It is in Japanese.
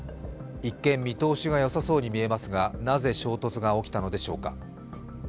一見、見通しがよさそうに見えますが、なぜ衝突が起きたのでしょうか。